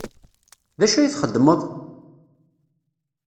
D acu ay txeddmeḍ?